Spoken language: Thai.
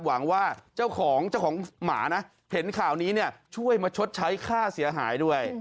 หวังว่าเจ้าของเจ้าของหมานะเห็นข่าวนี้เนี่ยช่วยมาชดใช้ค่าเสียหายด้วย